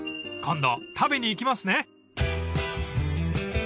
［今度食べに行きますね］